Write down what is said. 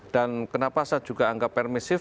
dan kenapa saya juga anggap permisif